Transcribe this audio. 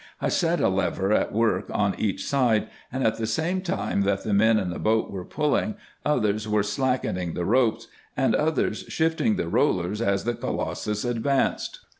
I set a lever at work on each side, and at the same time that the men in the boat were pulling, others were slackening the ropes, and others shifting the rollers as the colossus advanced.